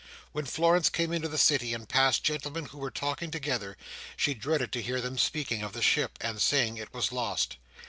When Florence came into the City, and passed gentlemen who were talking together, she dreaded to hear them speaking of the ship, and saying it was lost.